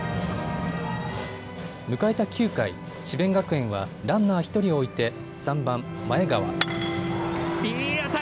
迎えた９回、智弁学園はランナー１人を置いて、３番・前川。